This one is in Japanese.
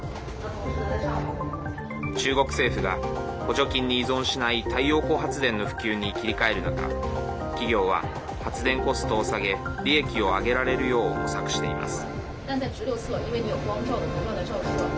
中国政府が補助金に依存しない太陽光発電の普及に切り替える中企業は発電コストを下げ利益を上げられるよう模索しています。